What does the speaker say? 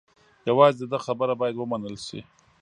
یوازې د ده خبره باید و منل شي.